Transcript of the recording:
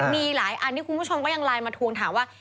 มีหลายอันที่คุณผู้ชมก็ยังไลน์มาทวงถามว่า